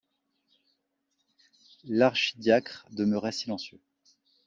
L’archidiacre demeurait silencieux.